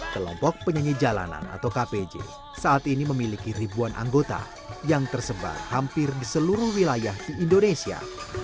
kelompok penyanyi jalanan atau kpj saat ini memiliki ribuan anggota yang tersebar hampir di seluruh wilayah di indonesia